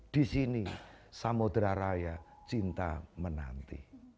di sini samudera raya cinta menanti